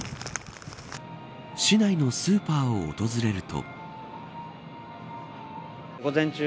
市内のスーパーを訪れると。